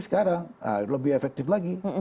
sekarang lebih efektif lagi